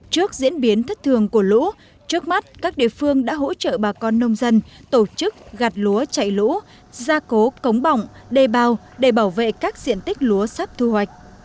trước diễn biến thất thường của lũ trước mắt các địa phương đã hỗ trợ bà con nông dân tổ chức gạt lúa chạy lũ gia cố cống bỏng đề bao để bảo vệ các diện tích lúa sắp thu hoạch